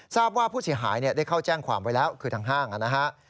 ทราบว่าผู้เสียหายได้เข้าแจ้งความไว้แล้วคือทางห้างนะฮะ